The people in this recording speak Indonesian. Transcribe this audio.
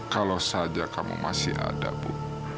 kalau saja kamu masih ada bu